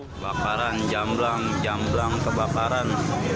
kebakaran jamblang jamblang kebakaran